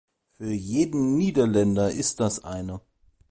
Für jeden Niederländer ist das eine .